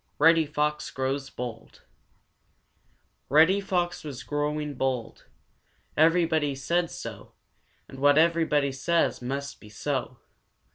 Reddy Fox Grows Bold Reddy Fox was growing bold. Everybody said so, and what everybody says must be so.